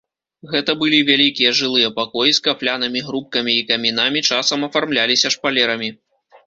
Гэта былі вялікія жылыя пакоі з кафлянымі грубкамі і камінамі, часам афармляліся шпалерамі.